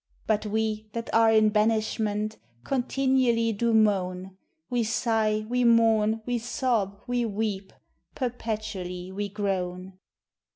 But we that are in banishment, Continually do moan; We sigh, we mourn, we sob, we weep Perpetually we groan.